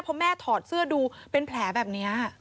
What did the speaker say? พอแม่ถอดเสื้อดูเป็นแผลแบบนี้